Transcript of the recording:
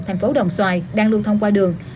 thành phố đồng xoài đang lưu thông qua đường